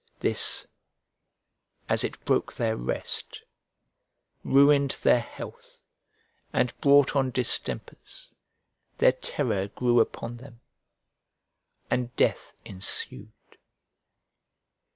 This, as it broke their rest, ruined their health, and brought on distempers, their terror grew upon them, and death ensued.